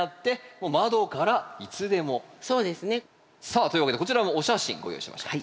さあというわけでこちらもお写真ご用意しました。